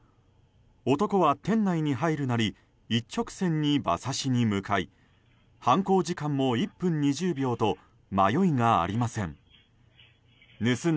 男は店内に入るなり一直線に馬刺しに向かい犯行時間も１分２０秒と迷いがありません。